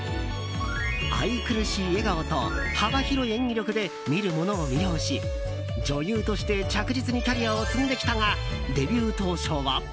愛くるしい笑顔と幅広い演技力で見る者を魅了し女優として着実にキャリアを積んできたがデビュー当初は。